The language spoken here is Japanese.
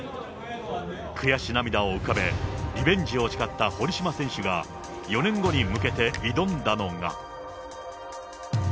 悔し涙を浮かべ、リベンジを誓った堀島選手が４年後に向けて挑んだのが。